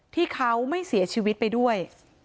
ที่เขาไม่เสียชีวิตไปด้วย